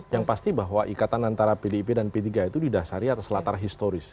yang pasti bahwa ikatan antara pdip dan p tiga itu didasari atas latar historis